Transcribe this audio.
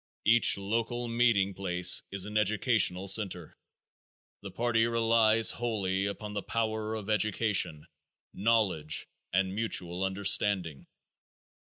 Each local meeting place is an educational center. The party relies wholly upon the power of education, knowledge, and mutual understanding.